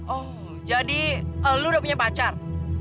oh jadi lu udah punya pacar